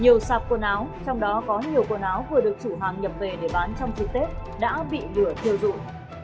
nhiều sạp quần áo trong đó có nhiều quần áo vừa được chủ hàng nhập về để bán trong dịp tết đã bị lửa thiêu dụng